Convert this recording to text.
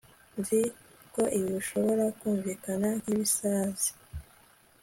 nzi ko ibi bishobora kumvikana nkibisazi